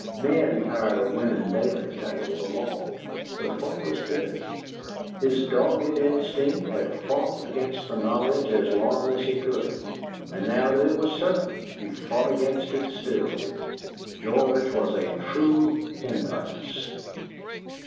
Men tired of women daily that was the law. But what was this? His dogged instinct had fought against the knowledge as long as he could, and now that it was certain he fought against it still. George was a true Pendyce!